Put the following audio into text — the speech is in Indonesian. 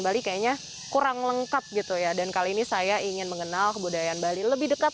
bali kayaknya kurang lengkap gitu ya dan kali ini saya ingin mengenal kebudayaan bali lebih dekat